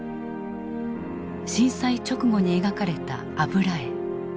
震災直後に描かれた油絵。